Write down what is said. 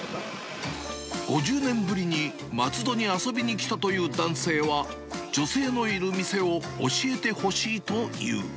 ５０年ぶりに松戸に遊びに来たという男性は、女性のいる店を教えてほしいという。